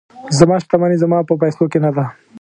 زما شتمني زما په پیسو کې نه ده.